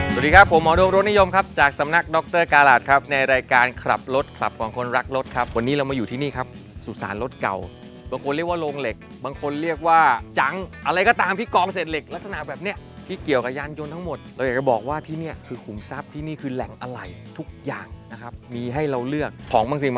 สวัสดีครับผมหมอโดมรถนิยมครับจากสำนักดรกาหัสครับในรายการขับรถคลับของคนรักรถครับวันนี้เรามาอยู่ที่นี่ครับสุสานรถเก่าบางคนเรียกว่าโรงเหล็กบางคนเรียกว่าจังอะไรก็ตามที่กองเศษเหล็กลักษณะแบบเนี้ยที่เกี่ยวกับยานยนต์ทั้งหมดเราอยากจะบอกว่าที่นี่คือขุมทรัพย์ที่นี่คือแหล่งอะไหล่ทุกอย่างนะครับมีให้เราเลือกของบางสิ่ง